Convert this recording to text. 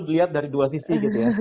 dilihat dari dua sisi